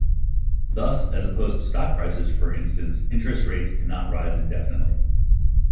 Thus, as opposed to stock prices for instance, interest rates cannot rise indefinitely.